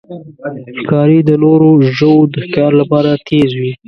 ښکاري د نورو ژوو د ښکار لپاره تیز وي.